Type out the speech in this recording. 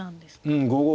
うん５五。